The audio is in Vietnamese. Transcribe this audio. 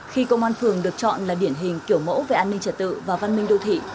khi công an phường được chọn là điển hình kiểu mẫu về an ninh trật tự và văn minh đô thị